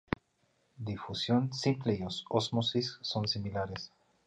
Difusión simple y ósmosis son similares.